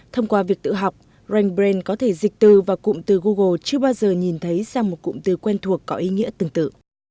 thông qua việc tự học rankbrain có thể dịch từ và cụm từ google chưa bao giờ nhìn thấy ra một cụm từ quen thuộc có ý nghĩa tương tự